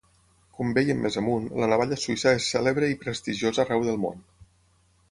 Com vèiem més amunt, la navalla suïssa és cèlebre i prestigiosa arreu del món.